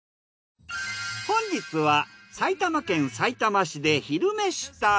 本日は埼玉県さいたま市で「昼めし旅」。